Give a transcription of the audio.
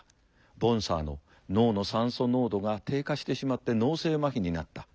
ボンサーの脳の酸素濃度が低下してしまって脳性まひになった。